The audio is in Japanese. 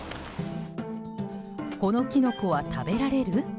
このキノコは食べられる？